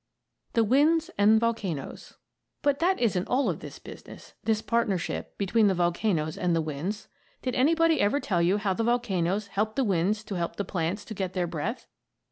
THE WINDS AND VOLCANOES But that isn't all of this business this partnership between the volcanoes and the winds. Did anybody ever tell you how the volcanoes help the winds to help the plants to get their breath?